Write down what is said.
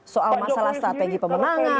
soal masalah strategi pemenangan kemudian juga